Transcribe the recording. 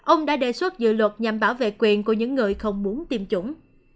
ông đã đề xuất dự luật nhằm bảo vệ quyền của những người không muốn tiêm chủng